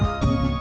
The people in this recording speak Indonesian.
liat dong liat